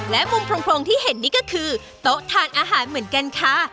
และมุมพรงที่เห็นนี่ก็คือโต๊ะทานอาหารเหมือนกันค่ะ